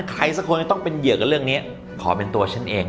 ใครสักคนก็ต้องเป็นเหยื่อกับเรื่องนี้ขอเป็นตัวฉันเอง